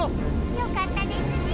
よかったですね。